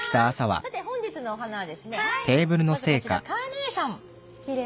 さて本日のお花はまずこちらカーネーション。